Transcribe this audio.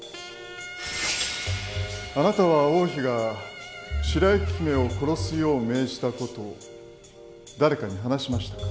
あなたは王妃が白雪姫を殺すよう命じた事を誰かに話しましたか？